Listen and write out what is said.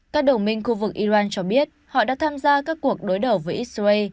các đồng minh khu vực iran cho biết họ đã tham gia các cuộc đối đầu với israel